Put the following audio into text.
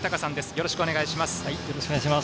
よろしくお願いします。